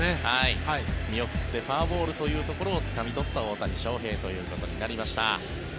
見送ってフォアボールというところをつかみとった、大谷翔平ということになりました。